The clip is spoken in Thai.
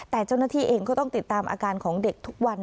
แต่เจ้าหน้าที่เองก็ต้องติดตามอาการของเด็กทุกวัน